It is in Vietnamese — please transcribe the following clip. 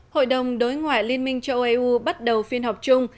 hội đồng đối ngoại liên minh châu âu eu bắt đầu phiên họp chung